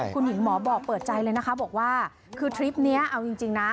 คุณหญิงหมอบอกเปิดใจเลยนะคะบอกว่าคือทริปนี้เอาจริงนะ